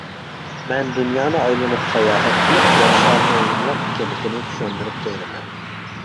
مەن دۇنيانى ئايلىنىپ ساياھەت قىلىپ يەر شارىنىڭ يۇمىلاق ئىكەنلىكىنى چۈشەندۈرۈپ بېرىمەن.